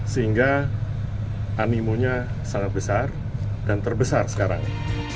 sehingga animonya sangat besar dan terbesar sekarang